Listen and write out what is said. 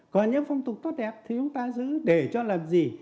còn những phong tục tốt đẹp thì chúng ta giữ để cho làm gì